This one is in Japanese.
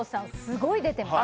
すごい出てます